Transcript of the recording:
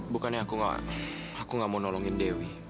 bukannya aku nggak mau nolongin dewi